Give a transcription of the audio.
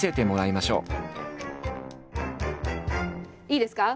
いいですか？